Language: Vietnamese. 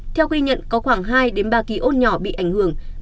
theo ghi nhận có khoảng hai ba ký ốt nhỏ bị ảnh hưởng